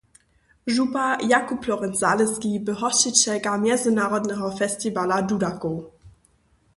Župa „Jakub Lorenc-Zalěski“ bě hosćićelka mjezynarodneho festiwala dudakow.